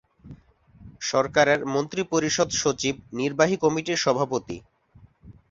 সরকারের মন্ত্রিপরিষদ সচিব নির্বাহী কমিটির সভাপতি।